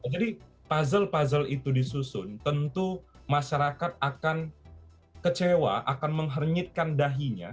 jadi puzzle puzzle itu disusun tentu masyarakat akan kecewa akan menghernyitkan dahinya